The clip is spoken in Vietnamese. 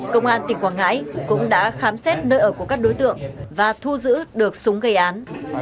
công an tỉnh quảng ngãi cũng đã khám xét nơi ở của các đối tượng và thu giữ được súng gây án